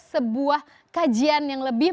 sebuah kajian yang lebih